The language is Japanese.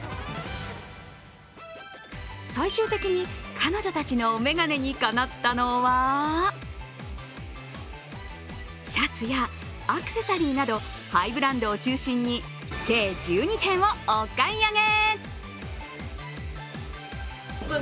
最終的に、彼女たちのお眼鏡にかなったのはシャツやアクセサリーなどハイブランドを中心に計１２点をお買い上げ。